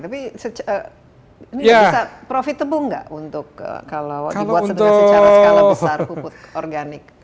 tapi ini bisa profitable nggak untuk kalau dibuat secara skala besar pupuk organik